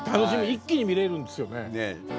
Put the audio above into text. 一気に見れるんですよね。